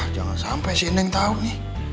jangan sampai si indeng tahu nih